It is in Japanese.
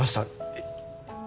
えっ。